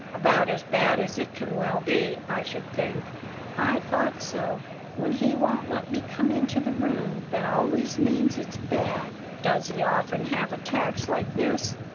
"About as bad as it can well be, I should think." "I thought so. When he won't let me come into the room, that always means it's bad." "Does he often have attacks like this?"